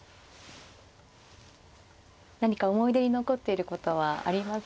何か思い出に残っていることはありますか。